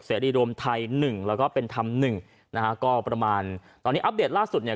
รีรวมไทยหนึ่งแล้วก็เป็นธรรมหนึ่งนะฮะก็ประมาณตอนนี้อัปเดตล่าสุดเนี่ย